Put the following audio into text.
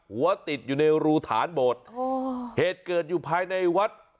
หัวติดอยู่ในรูฐานโบสถ์เหตุเกิดอยู่ภายในวัด